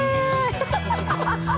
ハハハハハ。